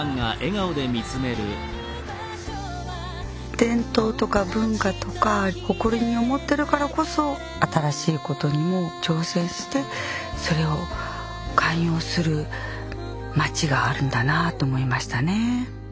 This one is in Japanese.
伝統とか文化とか誇りに思ってるからこそ新しいことにも挑戦してそれを寛容する町があるんだなと思いましたね。